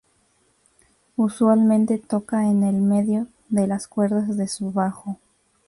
Usualmente toca en el medio de las cuerdas de su bajo.